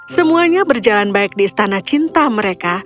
semuanya berjalan baik di istana cinta mereka